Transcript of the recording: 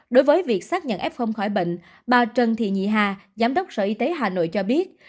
đối với việc xác nhận f khỏi bệnh bà trần thị nhị hà giám đốc sở y tế hà nội cho biết